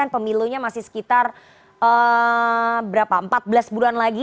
pemilunya masih sekitar empat belas bulan lagi